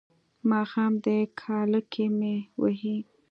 ماښام دی کاله کې مې وهي.